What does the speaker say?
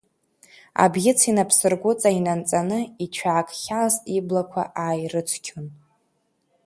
Абӷьыц инапсыргәыҵа инанҵаны, ицәаакхьаз иблақәа ааирыцқьон.